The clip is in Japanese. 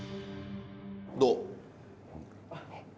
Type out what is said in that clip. どう？